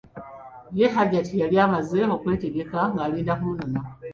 Ye Hajati yali amaze okwetegekka ng'alinda kumunona.